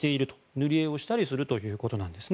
塗り絵をしたりするということです。